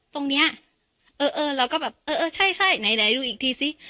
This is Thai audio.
ตรงเนี้ยเออเออเราก็แบบเออเออใช่ไหนดูอีกทีซิ